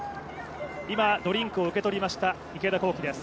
今、ドリンクを受け取りました池田向希です。